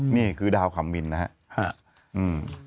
นี่คือดาวขำมินนะครับ